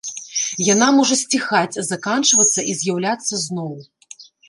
Яна можа сціхаць, заканчвацца і з'яўляцца зноў.